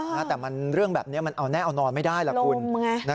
แต่มันเรื่องแบบนี้มันเอาแน่เอานอนไม่ได้ล่ะคุณ